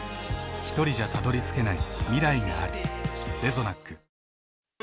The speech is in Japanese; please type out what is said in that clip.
ひとりじゃたどりつけない未来がある。